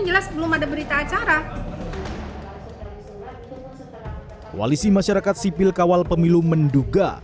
jelas belum ada berita acara koalisi masyarakat sipil kawal pemilu menduga